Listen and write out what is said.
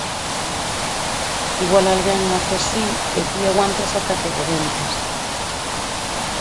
Igual alguén nace así e ti aguantas ata que rebentas.